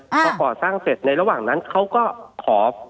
พอก่อสร้างเสร็จในระหว่างนั้นเขาก็ขอ